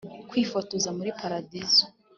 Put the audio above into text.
kwifotoza muri paradizo.